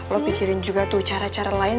lo pikirin juga tuh cara cara lain